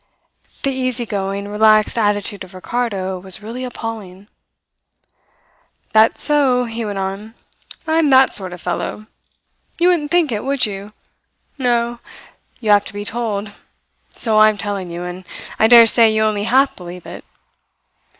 The easy going, relaxed attitude of Ricardo was really appalling. "That's so," he went on. "I am that sort of fellow. You wouldn't think it, would you? No. You have to be told. So I am telling you, and I dare say you only half believe it.